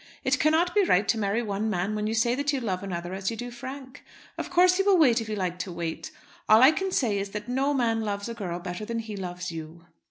It cannot be right to marry one man when you say that you love another as you do Frank. Of course he will wait if you like to wait. All I can say is, that no man loves a girl better than he loves you.